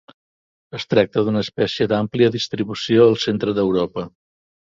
Es tracta d'una espècie d'àmplia distribució al centre d'Europa.